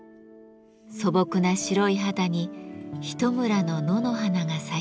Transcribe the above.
素朴な白い肌にひと群の野の花が咲いています。